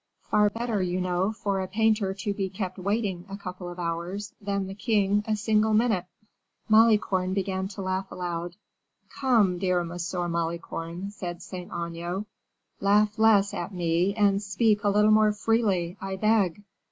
Far better, you know, for a painter to be kept waiting a couple of hours than the king a single minute." Malicorne began to laugh aloud. "Come, dear Monsieur Malicorne," said Saint Aignan, "laugh less at me, and speak a little more freely, I beg."